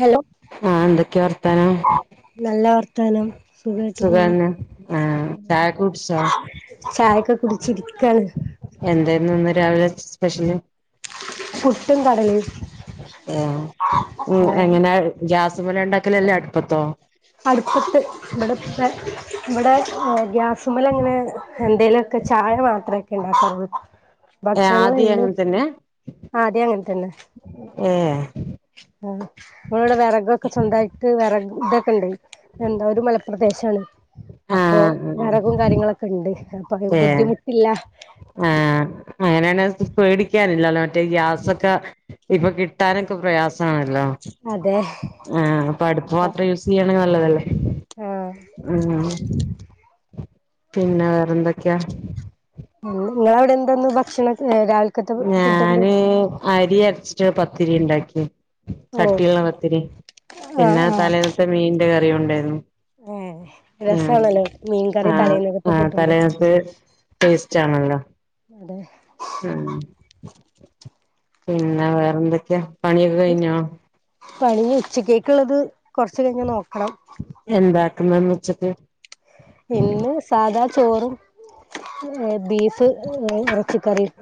Hello ഹാ എന്തൊക്കെ വർത്താനം നല്ല വർത്താനം സുഖായിട്ട് പോണു സുഖാണ് ആഹ് ചായൊക്കെ കുടിച്ചോ ചായൊക്കെ കുടിച്ചിരിക്കാണ് എന്തായിരുന്നു ഇന്ന് രാവിലെ സ്പെഷ്യല് പുട്ടും കടലിം ആഹ് ഉം എങ്ങനെ ഗ്യാസമലണ്ടാക്കല് അല്ലേ അടുപ്പത്തോ അടുപ്പത്തെ് ഇവിടെപ്പ ഇവിടെ ഗ്യാസുമലങ്ങനെ എന്തേലൊക്കെ ചായ മാത്രക്കെണ്ടാക്കലള്ളു ഏഹ് ആദ്യം ഭക്ഷണങ്ങളെല്ലും അങ്ങനെ തന്നെ ആ ദ്യേങ്ങൻത്തന്നെ ഏഹ് ഉം നമ്മളടെ വിറകൊക്കെ സ്വന്തായിട്ട് വിറക തൊക്കെണ്ടേനി എന്താ ഒരു മലപ്രദേശാണ് അപ്പൊ ആഹ് വിറകും കാര്യങ്ങളൊക്കെണ്ട് അപ്പ ഏഹ് ബുദ്ധിമുട്ടില്ല ആഹ് അങ്ങനെണ പേടിക്കാനില്ലല്ലോ മറ്റേ ഗ്യാസൊക്കെ ഇപ്പൊ കിട്ടാനൊക്കെ പ്രയാസ സാണല്ലോ അതെ ആഹ് അപ്പൊ അടുപ്പ് മാത്രം യൂസയ്യണെൽ നല്ലതല്ലേ ആ ഉം പിന്നെ വേറെന്തൊക്കെയാ നിങ്ങളവിടെ എന്തന്ന് ഭക്ഷണക്കെ രാവിലെ ഞാന് അരി അരച്ചിട്ട് പത്തിരിണ്ടാക്കി കട്ടിള്ള പത്തിരി ആഹ് പിന്നെ ആഹ് തലേന്നത്തെ മീൻന്റെ കറിണ്ടായിര്ന്നു ഏഹ് രസാണല്ലോ മീൻകറി തലേന്നത്തെ കൂട്ടുമ്പോ ടേസ്റ്റാണല്ലോ അതെ ഉം പിന്നെ വേറെന്തൊക്കെയാ പണിയൊക്കെ കഴിഞ്ഞോ പണി ഉച്ചക്കേക്കുള്ളത് കൊറച്ചു കഴിഞ്ഞ നോക്കണം എന്താക്കുന്നന്ന് വെച്ച്ട്ട് ഇന്ന് സാധാ ചോറും ഏ ബീഫ് ഏ ഇറച്ചി കറിം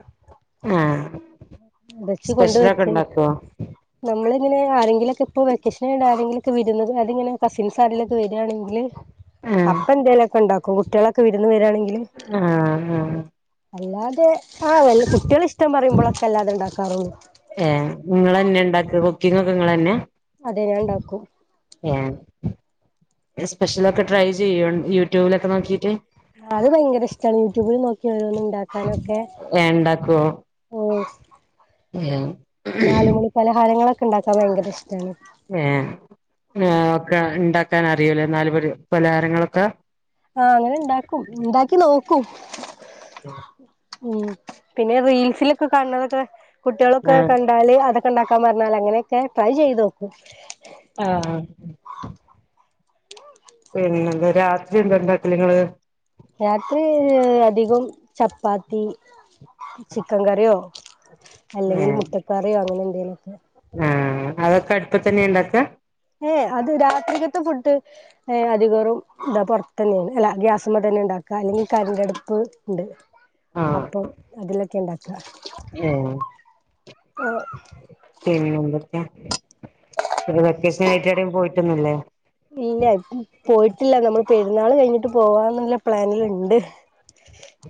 ആഹ് ഇറച്ചി കൊണ്ട് സ്പെഷ്യലൊക്കെ വെച്ച് ഇണ്ടാക്കോ നമ്മളിങ്ങനെ ആരെങ്കിലക്കെപ്പോ വെക്കേഷന് ണ്ട് ആരെങ്കിലൊക്കെ വരുന്നത് അതിങ്ങനെ കസിൻസ് ആരെങ്കി വരിയാണെങ്കില് ആഹ് അപ്പ എന്തേലെക്കെ ഇണ്ടാക്കും കുട്ടികളൊക്കെ വിരുന്ന് വരെണെങ്കിൽ ആഹ് ആഹ് അല്ലാതെ ആഹ് വെല്ല കുട്ട്യേള് ഇഷ്ട്ടം പറയുമ്പോളൊക്കെല്ലാതെ ഇണ്ടാക്കാറൊന്നുല്ല ഏഹ് നിങ്ങൾന്നെ ഉണ്ടാക്കല് കുക്കിംഗക്കെ നിങ്ങളന്നെ അതെ ഞാണ്ടാക്കും ഏഹ് സ്പെഷ്യലൊക്കെ ട്രൈ ചെയ്യോ യൂട്യൂബിലൊക്കെ നോക്കിട്ട് അത് ഭയങ്കര ഇഷ്ട്ടാണ് യൂട്യൂബിൽ നോക്കിയോരോന്ന് ഇണ്ടാക്കാനൊക്കെ ഏഹ് ആഹ് നാലുമണി പലഹാരങ്ങളൊക്കെ ഇണ്ടാക്കാൻ ഭയങ്കര ഇഷ്ട്ടാണ് ഏ ഏ ഒക്കെ ഇണ്ടാക്കാൻ അറിയൂല്ലേ നാല്മണി പലഹാരങ്ങളൊക്കെ ആഹ് അങ്ങനെ ഇണ്ടാക്കും ഇണ്ടാക്കി നോക്കും ഉം പിന്നെ റീൽസിലൊക്കെ കാണണത് കുട്ട്യോളൊക്കെ ആഹ് കാണ് ണ്ടാല് അതൊക്കെ ഇണ്ടാക്കാൻ പറഞ്ഞാല് അങ്ങനെക്കെ ട്രൈ ചെയ്തോക്കും ആഹ് പിന്നെന്ത രാത്രി എന്താ ഇണ്ടാക്കല് ങ്ങള് രാത്രി അധികും ചപ്പാത്തി ചിക്കൻ കറിയോ അല്ലെങ്കിൽ ഏഹ് മുട്ടക്കറിയോ അങ്ങനെ എന്തേലും ആഹ് അതൊക്കെ അടുപ്പത്തന്നേ ഇണ്ടാക്ക ഏ അത് രാത്രികത്തെ ഫുഡ് ഏ അധികേറും ന്താ പൊറത്തെന്നെ അല്ല ഗ്യാസ്മ്മെ തന്നെണ്ടാക്ക അല്ലെങ്കിൽ കരണ്ട് അട്പ്പ് ണ്ട് ആഹ് അപ്പം അതിലെക്കെ ഇണ്ടാക്ക ഏഹ് പിന്നെന്തൊക്കേ പിന്നെ വെക്കേഷനായിട്ട് ഏടെം പോയിട്ടൊന്നുല്ലേ ഇല്ല പോയിട്ടില്ല നമ്മള് പെരുന്നാള് കഴിഞ്ഞിട്ട് പോവാന്നുള്ള പ്ലാനില് ണ്ട്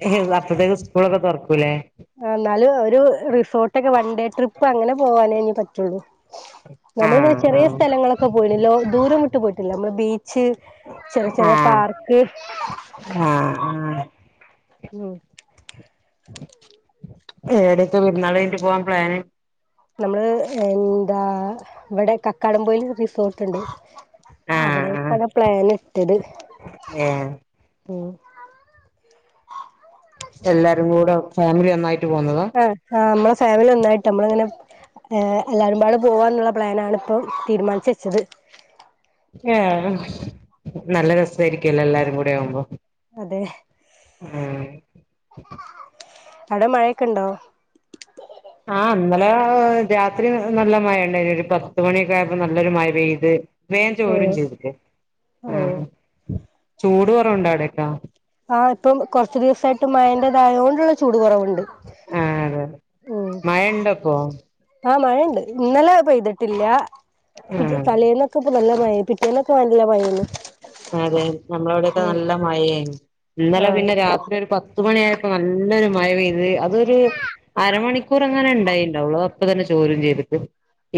ഏഹ് അപ്പോത്തേക് സ്കൂളൊക്കെ തൊറക്കൂല്ലേ ആഹ് എന്നാലും ഒരു റിസോർട്ടൊക്കെ വൺ ഡേ ട്രിപ്പ് അങ്ങനെ പോവാനേനി പറ്റൊള്ളൂ ആഹ് നമ്മളിങ്ങനെ ചെറിയ ആഹ് സ്ഥലങ്ങളൊക്കെ പോയിണ് ലോ ദൂരം വിട്ട് പോയിട്ടില്ല നമ്മള് ബീച്ച് ചെറിയ ചെറിയ ആഹ് പാർക്ക് ആഹ് ആഹ് ഉം ഏടെക്ക പെരുന്നാളഴിഞ്ഞ്ട്ട് പോവാൻ പ്ലാന് നമ്മള് എന്താ ഇവടെ കക്കാടം പോയില് റിസോർട്ട്ണ്ട് ആഹ് ആഹ് അവിടേക്കാണ് പ്ലാന്ട്ടത് ഏഹ് ഉം എല്ലാരും കൂടെ ഫാമിലി ഒന്നായിട്ട് പോകുന്നതാ അ ആഹ് മ്മള് ഫാമിലി ഒന്നായിട്ട് നമ്മള്ങ്ങനെ ഏഹ് എല്ലാരുംപാടെ പോവാന്ന്ള്ള പ്ലാനപ്പം തീരുമാൻച്ചച്ചത് ഏഹ് ഹും നല്ല രസായിരിക്കല്ലോ എല്ലാരും കൂടെ ആവുമ്പോ അതെ ഉം അവ്ടെ മയൊക്കെണ്ടോ ആ ഇന്നലെ രാത്രി നല്ല മഴ ഇണ്ടായിനി ഒരു പത്ത്മണിയൊക്കായപ്പം നല്ലൊരു മഴ പെയ്ത് വേം ഉം ചോരും ചെയ്തിക്ക് ആ ഓഹ് ചൂട് കൊറവ്ണ്ടോ അവിടെക്കാ ആ ഇപ്പം കൊറച്ചു ദിവസായിട്ട് മയന്റെതായോണ്ട്ള്ള ചൂട് കൊറവ്ണ്ട് ആ അതെ മഴ ഇണ്ടപ്പോ? ആ മഴണ്ട് ഇന്നലെ പെയ്ത്ട്ട്ല്ല ആഹ് തലേന്ന് ക്കെ നല്ല മഴയ്ത് പിറ്റേന്നൊക്കെ നല്ല മയെന്നു അതെ നമ്മളവിടൊക്കെ നല്ല മഴയേനി ഇന്നലെ ആഹ് പിന്നെ രാത്രി ഒരു പത് ത്ത് മണിയായപ്പൊ നല്ലൊരു മഴ പെയ്ത് അതൊരു അരമണിക്കൂർ അങ്ങനെ ഇണ്ടായിണ്ടാവൊള്ളൂ അത്അപ്പ തന്നെ ചോരും ചെയ്ത്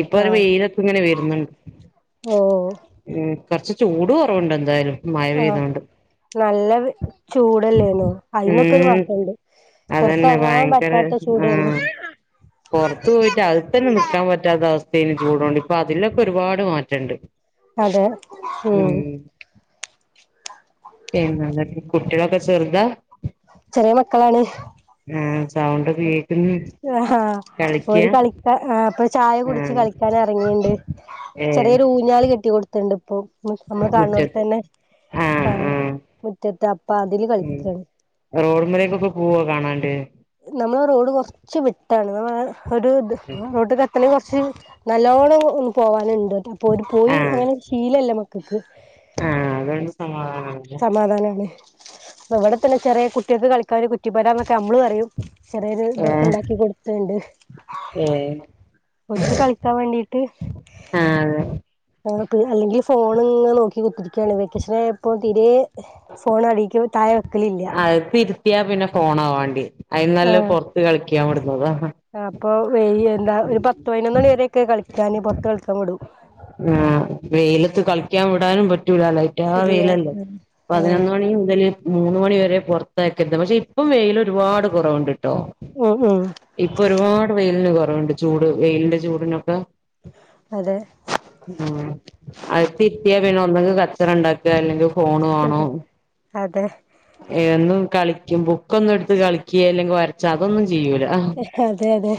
ഇപ്പൊ ഒരു ആഹ് വെയിലൊക്കെ ഇങ്ങനെ വരുന്ന്ണ്ട് ഓഹ് മ് കൊറച്ച് ചൂട് കൊറവ്ണ്ട് എന്തായാലും മഴ ആഹ് പെയ്തോണ്ട് നല്ല ചൂടല്ലേന്നോ അതിനന്നൊക്കെ ഒരു ഉം മാറ്റണ്ട് അതന്നെ പൊറത്തറങ്ങാൻ പറ്റാത്ത ചൂടേന്നു പൊറത്തു പോയിട്ട് അക തന്നെ നിക്കാൻ പറ്റാത്ത അവസ്ഥേണ് ചൂടോണ്ട് ഇപ്പൊ അതിലൊക്കെ ഒരുപാട് മാറ്റണ്ട് അതെ ഉം ഏങ്കകണ്ണി കുട്ടിയാളൊക്കെ ചെർതാ ചെറിയ മക്കളാണ്. ആ സൗണ്ടൊക്കെ കേക്ക്ണ് ണ്ട് ആ ഹാ ഓര് കളിക്കാ ആ ഇപ്പ ചായ കുടിച്ച് ആഹ് കളിക്കൻ എറങ്ങീണ്ട് ഏഹ് ചെറിയൊരു ഊഞ്ഞാല് കെട്ടി കൊടുത്ത്ണ്ട് ഇപ്പൊ അമ്മള് കണ്ണോട് മുറ്റത്ത് തന്നെ ആഹ് മുറ്റത്ത് അപ്പ അതില് കളിക്കാണ് റോഡ് മ്മലെക്കൊക്കെ പോവൊ കാണാണ്ട് നമ്മളെ റോഡ് കൊർച്ച് വിട്ടാണ് നമ്മ ഒരു റോഡ് എ ത്ത്ണെങ്കി കൊർച്ച് നല്ലോണം ഒ പോവാന്ണ്ട് അപ്പൊ ഓര് പോയി ആഹ് അങ്ങനെ ശീലല്ല മക്കക്ക് ആഹ് അതാണ് സമാധാനാണ് അവ്ടെ തന്നെ ചെറിയെ കുട്ടിയാക്ക് കളിക്കാൻ ഒര് കുറ്റിപെര എന്നൊക്കെ ഞമ്മള് പറയും ചെറിയൊരു ഇതൊക്കെ ഏഹ് ഇണ്ടാക്കി കൊടുത്താണ്ട് ഏഹ് ഓർക്ക് കളിക്കാൻ വേണ്ടിട്ട് ആഹ് അതെ ആ അല്ലെങ്കി ഫോണ്ങ്ങനെ നോക്കി കുത്തിരിക്കയാണ് വെക്കേഷനപ്പൊ തീരെ ഫോൺ അടിക്കോ താഴെ വെക്കലില്ല അകത്തി ഇര്ത്തിയാ പിന്നെ ഫോണാ വാണ്ടിയെ അയിനും നല്ലത് ആഹ് പൊറത്ത് കളിക്കാൻ വിടുന്നത അപ്പൊ വെയ് എന്താ ഒരു പത്ത് പതിനൊന്ന് മണി വരേയൊക്കെ കളിക്കാന് പൊറത്ത് കളിക്കാം വിടും ആ വെയിലത്ത് കളിക്കാൻ വിടാനും പറ്റൂല ലെ രാ ഇല്ല വെയിലല്ലെ പതിനൊന്ന് ആഹ് മണി മുതല് മൂന്ന് മണി വരെ പൊറത്തയക്കര്ത് പക്ഷെ ഇപ്പം വെയില് ഒരുപാട് കൊറവുണ്ട് ട്ടോ. ആ ആഹ് ഇപ്പൊ ഒരുപാട് വെയിലിന് കൊറവ്ണ്ട് ചൂട് വെയിലിന്റെ ചൂടിനൊക്കെ അതെ ആഹ് അകത്തിരിത്തിയ പിന്നെ ഒന്നക്ക് കച്ചറ ഇണ്ടാക്ക അല്ലെങ്കി ഫോൺ വാണോം. അതെ ഏ ഒന്നും കളിക്കും ബുക്കൊന്നും ഇട്ത്ത് കളിക്കെ അല്ലെങ്കി വരച്ച അതൊന്നും ചെയ്യൂല അതെ അതെ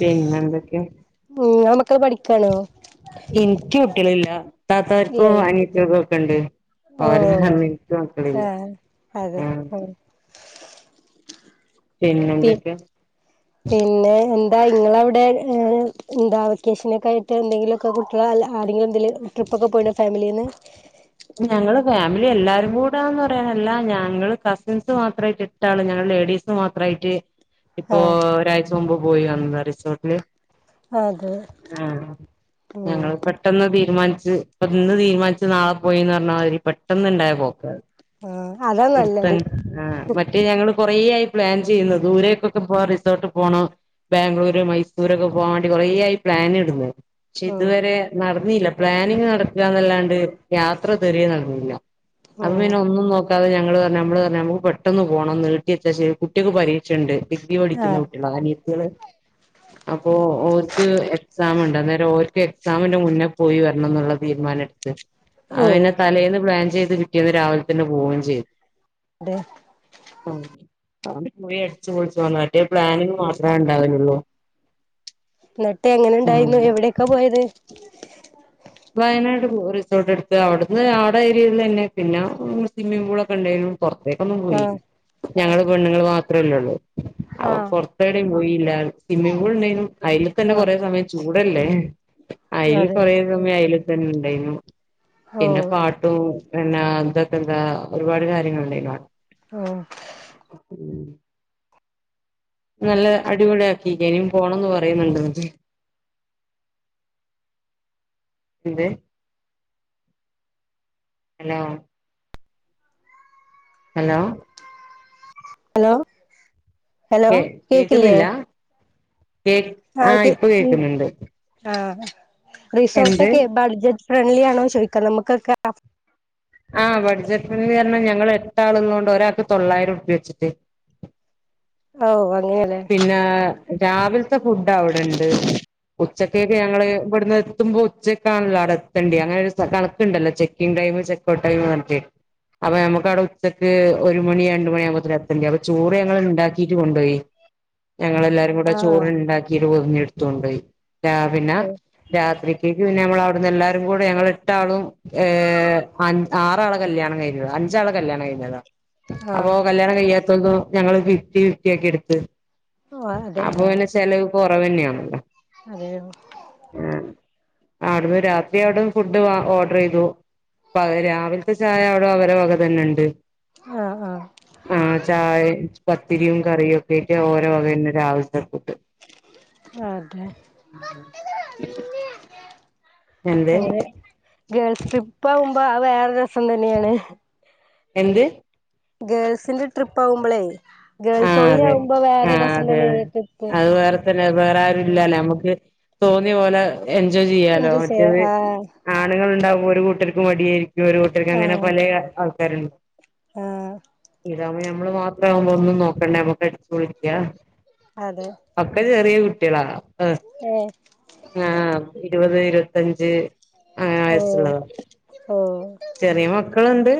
പിന്നെന്തക്കെ? മ് ഇങ്ങളെ മക്കള് പഠിക്കണോ? ഇൻക്ക് കുട്ടിയാളില്ല. താത്തർക്കും ഇല്ലല്ലേ അനിയത്തിയാക്കൊക്കെണ്ട് ഓ ഓരാ [unintelligible] ഇൻക്ക് മക്കളില്ല ആഹ് അതെ ഉം അങ്ങ പി പിന്നെന്തക്കെ? പിന്നെ എന്താ ഇങ്ങള ഔടെ എന്താ വെക്കേഷന് ഒക്കെ ആയിട്ട് എന്തെങ്കിലും. കൊ കുട്ട്യേള് അല്ല ആരെങ്കിലും എന്തേലു ട്രിപ്പൊക്കെ പോയിണൊ ഫേമിലിന്ന്. ഞങ്ങള് ഫാമിലി എല്ലാരും കൂടാന്ന് പറയാനല്ല. ഞങ്ങള് കസിൻസ് മാത്രായിട്ട് ട്ടാണ്. ഞങ്ങൾ ലേഡീസ് മാത്രായിട്ട് ഇപ്പൊ ആഹ് ഒരാഴ്ച മുമ്പ് പോയി വന്നത റിസോർട്ടില് അതെ ആഹ് ഉം ഞങ്ങള്പട് പെട്ടെന്ന് തീരുമാനിച്ച് ഇന്ന് തീരുമാനിച്ച് നാളെ പോയിന്ന് പറ്ന്നാമാതിരി പെട്ടെന്ന് ഇണ്ടായ പോക്കാത്. ആഹ് അതാ എട്ത്ത നല്ലത് [unintelligible] ആ മറ്റേ ഞങ്ങള് കൊറേ ആയി പ്ലാൻ ചെയ്യുന്നത്. ദൂരേക്കൊക്കെ പോ റിസോർട്ട് പോണം. ബാംഗ്ലൂര് മൈസൂരൊക്കെ പോകാൻ വേണ്ടി കൊറേ ആയി പ്ലാൻ ഇടുന്ന പക്ഷെ ഉം ഇതുവരെ നടന്നില്ല. പ്ലാനിങ് നടക്കാന്നല്ലാണ്ട് യാത്ര തെരേ നടന്നില്ല. അത് ഉം പിന്നെ ഒന്നും നോക്കാതെ ഞങ്ങള് പറഞ്ഞ് നമ്മള് പറഞ് നമക്ക് പെട്ടന്ന് പോണം നീട്ട്യച്ചാ ശരി കുട്ട്യേൾക്ക് പരീ ഷണ്ട് ഡിഗ്രി പഠിക്ക്ണ ആഹ് കുട്ട്യേള അനിയത്ത്യേള് അപ്പോ ഓല്ക്ക് എക്സാം ഉണ്ട്. അന്നേരം ഓല്ക്ക് എക്സാമിന്റെ മുന്നെ പോയി വരണം എന്നുള്ള തീരുമാനം എടുത്ത്. ഓ ആ പിനെ തലേന്ന് പ്ലാൻ ചെയ്ത് പിറ്റേന്ന് രാവിലെ തന്നെ പോവുകയും ചെയ്തു. അതെ എം ഔടിം പോയി അടിച്ച് പൊള്ച്ചു. ആ മറ്റേ പ്ലാനിങ് മാത്രേ ഉണ്ടാവലൊള്ളൂ. ഇന്നട്ട് എങ്ങനെ ഉം ഉണ്ടായിന്നു. എവിടേക്കാ പോയത്. വയനാട് റിസോർട്ട് എടുത്ത്. അവിട്ന്ന് ആടെ ഏരിയയിലെന്നെ. പിന്നെ സിമ്മിം പൂളൊക്കെ ഉണ്ടായിന്നു. പൊറത്തേക്കൊന്നും ആഹ് പോയില്ല. ഞങ്ങള് പെണ്ണുങ്ങൾ മാത്രേല്ലൊള്ളൂ - ആഹ് എവിടിം പോയീല്ല. സ്വിമ്മി പൂൾ ഉണ്ടായിന്നു. അയില്തന്നെ ആഹ് കൊറേ സമയം ചൂടല്ലേ അതെ അയില്കൊറേ സമയം ആയില് തന്നെ ഉണ്ടായിന്നു പിന്നെ ഓഹ് പാട്ട് - ട്ടു. എന്നാ ഇതൊക്കെ എന്നാ ഒരുപാട് ഒരുപാട് കാര്യങ്ങള് ഉണ്ടായിന്നു അവ് ആഹ് ഉം നല്ല അടിപൊളി ആക്കീക്കേന്. ഇഞ് പോണം എന്ന് പറയുന്നുണ്ട് ഇന്ന്ട്ട്. എന്ത് ഹലോ ഹലോ ഹലോ ഹലോ കേ കേക്ക്ല്ലേ കേക്കുന്നില്ല കേ ആഹ് ഇപ്പൊ കേക്ക് ഉം കേക്കുന്നുണ്ട് ആഹ് റിസോർട്ടൊ എന്ത് ക്കെ ബഡ്ജറ്റ് - ഫ്രണ്ട്ലി ആണോ ചോയ്ക്കാം നമുക്കൊക്കെ [unintelligible] [unintelligible] ആ ബഡ്ജറ്റ് ഫ്രണ്ട്‌ലി അറ്ന്നാ ഞങ്ങൾ എട്ടാള്‍ ഉള്ളോണ്ട് ഒരാക്ക് തൊള്ളായിരം ഉറ്പ്യ വെച്ചിട്ട് ഓ അതെ പിന്നെ രാവിൽത്തെ ഫുഡ് അവിടെ ഇണ്ട് ഉച്ചക്കേക്ക് ഞങ്ങള് ഇവിട്ന്ന് എത്തുമ്പൊ ഉച്ചക്കാണല്ലോ അടെ എത്തേണ്ട്യ അങ്ങനെ ഒരു കണക്കുണ്ടല്ലോ - ക്കിംഗ് ടൈമ് ചെക്കോ ടൈമ് [unintelligible] ചെക്കോ ടൈമ് കാണിച്ചെ അപ്പൊ നമ്മുക്ക് ഔടെ ഉച്ചക്ക് ഒരു മണി രണ്ട് മണിയാകുമ്പോത്തിനു എത്തെണ്ട്യ. അപ്പൊ ചോറ് ഞങ്ങൾ ഇണ്ടാക്കീട്ട് കൊണ്ടോയി. ഞങ്ങളെല്ലാരും കൂടെ ആ ആ ചോറ് ഉണ്ടാക്കിയിട്ട് പൊതിഞ്ഞ് ഇടുത്തോണ്ട് പോയി രാവിലെ ഓ രാത്രിക്കേക്ക് പിന്നെ ഞമ്മൾ അവിടുന്ന് എല്ലാരും കൂടി ഞങ്ങള് എട്ടാളും. ഏഹ് ആറ് ആളെ കല്ല്യാണം കഴിഞ്ഞത് അഞ്ച്ആള് കല്യാണം കഴിഞ്ഞതാ. ആ അപ്പൊ കല്ല്യാണം കഴിയാത്തൊണ്ടും ഞങ്ങള് ഫിഫ്റ്റി ഫിഫ്റ്റി ആക്കി എടുത്ത്. ആഹ് അതെ അപ്പൊ ടാ പിന്നെ ചെലവ് കൊറവെന്നെയാണലൊ അതെ [unintelligible] അവിട്ന്ന് രാത്രി അവിടുന്ന് ഫുഡ് ഓർഡർ ചെയ്തു. രാവിൽത്തെ ചായ അവിടെ അവരെ വക തന്നെ ഇണ്ട്. ആ ആ ആ ചായ പത്തിരിയും കറിയും ഒക്കെ ഓലേ വകെന്നെ രാവിൽത്തെ ഫുഡ് അതെ [inaudible] എന്ത് അങ്ങനെ ഗേൾസ് ട്രിപ്പ് ആകുമ്പോ വേറെ രസം തന്നെയാണ്. എന്ത്? ഗേൾസിന്റെ ട്രിപ്പ് ആകുമ്പോളേ ഗേൾസ് ആഹ് ഓൺലി അതെ ആവുമ്പോ വേറെ രസം തന്നെയാണ് ട്രിപ്പ്. വേറാരും ഇല്ലാലോ നമുക്ക് തോന്നിയപോലെ എൻജോയ് ചെയ്യാലോ എന്ത് ചെയ്യാ മറ്റേത് ആ ആണുങ്ങൾ ഉണ്ടാവുമ്പോൾ ഒരു കൂട്ടർക്ക് മടിയായിരിക്കും ഒരു കൂട്ടർക്ക് അങ്ങനെ പല ആൾക്കാരുണ്ട്. ആഹ് ഇതാവുമ്പോ ഞമ്മള് മാത്രമാകുമ്പോൾ നമ്മൾ ഒന്നും നോക്കണ്ടേ നമ്മക്ക് അടിച്ചു പൊളിക്കാം. അതെ. ഒക്കെ ചെറിയ കുട്ടികളാ [unintelligible] ഏഹ് ആഹ് ഇരുപത് ഇരുപത്തഞ്ച് അങ്ങനെ ഓ വയസ്സുള്ളതാ. ഓ ചെറിയ മക്കളുണ്ട്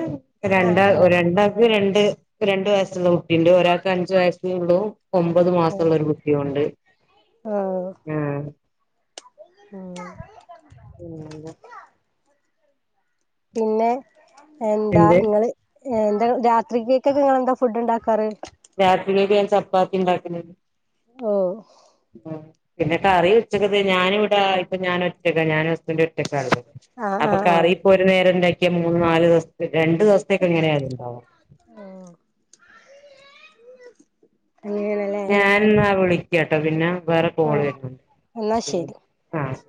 ആ രണ്ടാ ആ രണ്ടാക്ക് രണ്ട് രണ്ട് വയസ്സുള്ള കുട്ടിയിണ്ട് ഒരാ അഞ്ചു വയസ്സിനുള്ളൂ ഒമ്പത് മാസം ഉള്ള ഒരു കുട്ടിയുണ്ട്. ആ ആഹ് ഉം പിന്നെന്താ? പിന്നെ എന്താ എന്ത് ഇങ്ങള് എന്താ രാത്രിക്കേക്കൊക്കെ നിങ്ങെന്താ ഫുഡ് ഉണ്ടാക്കാറ്? രാത്രിലേക്ക് ഞാൻ ചപ്പാത്തി ഇണ്ടാക്കുന്നുണ്ട്. ഓഹ് പിന്നെ കറി ഉച്ചക്കത്തെ ഞാനിവിടെ ഇപ്പ ഞാനൊറ്റക്കാ ഞാനും ഹസ്ബന്റും ആ [unintelligible] ആ അപ്പോ ആ കറി ഇപ്പോ ഒരു നേരം ഉണ്ടാക്കിയാ മൂന്ന് നാല് ദിവസത്തേക്ക് രണ്ട് ദിവസത്തേക്ക് എങ്ങനെയായാലും ഉണ്ടാവും. ആഹ് അങ്ങനെ. ഞാനെന്നാ വിളിക്കാട്ടോ പിന്നെ വേറെ ആ കോൾ എന്നാ വരുന്നുണ്ട് ശരി ആഹ്